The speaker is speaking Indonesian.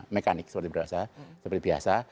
mekanik seperti biasa